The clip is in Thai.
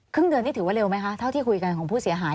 เดือนนี้ถือว่าเร็วไหมคะเท่าที่คุยกันของผู้เสียหาย